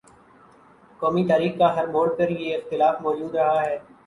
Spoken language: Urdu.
قومی تاریخ کے ہر موڑ پر یہ اختلاف مو جود رہا ہے۔